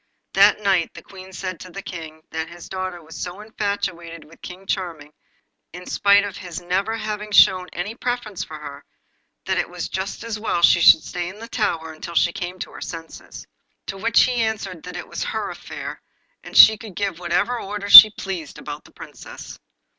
That night the Queen said to the King, that his daughter was so infatuated with King Charming, in spite of his never having shown any preference for her, that it was just as well she should stay in the tower until she came to her senses. To which he answered that it was her affair, and she could give what orders she pleased about the Princess.